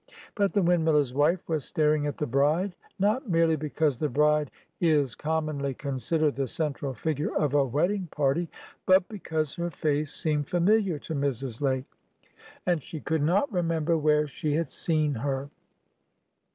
But the windmiller's wife was staring at the bride. Not merely because the bride is commonly considered the central figure of a wedding party, but because her face seemed familiar to Mrs. Lake, and she could not remember where she had seen her.